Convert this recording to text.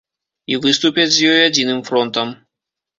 І выступяць з ёй адзіным фронтам.